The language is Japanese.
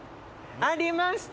ありました！